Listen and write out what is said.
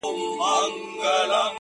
په سلايي باندي د تورو رنجو رنگ را واخلي؛